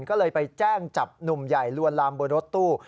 ก็เลยไปแจ้งจับหนุ่มใหญ่ลวนลามบนรถตู้